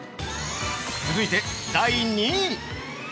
◆続いて第２位！